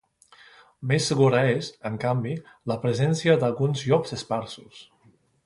Més segura és, en canvi, la presència d'alguns llops esparsos.